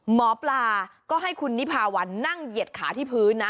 หมอปลาก็ให้คุณนิพาวันนั่งเหยียดขาที่พื้นนะ